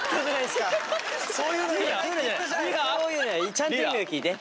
ちゃんと意味を聞いて。